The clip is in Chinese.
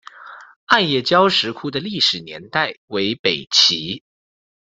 艾叶交石窟的历史年代为北齐。